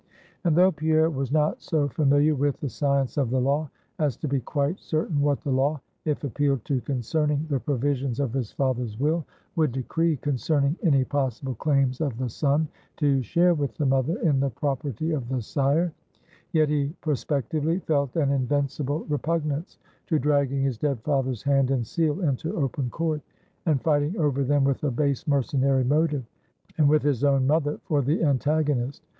And though Pierre was not so familiar with the science of the law, as to be quite certain what the law, if appealed to concerning the provisions of his father's will, would decree concerning any possible claims of the son to share with the mother in the property of the sire; yet he prospectively felt an invincible repugnance to dragging his dead father's hand and seal into open Court, and fighting over them with a base mercenary motive, and with his own mother for the antagonist.